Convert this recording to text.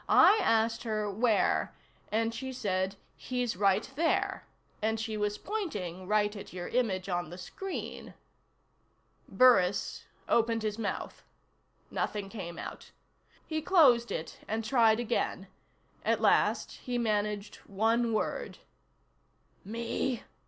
"I asked her where and she said: 'He's right there.' And she was pointing right at your image on the screen." Burris opened his mouth. Nothing came out. He closed it and tried again. At last he managed one word. "Me?"